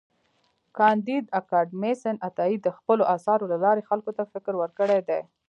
کانديد اکاډميسن عطايي د خپلو اثارو له لارې خلکو ته فکر ورکړی دی.